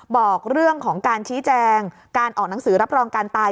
บอกเรื่องของการชี้แจงการออกหนังสือรับรองการตาย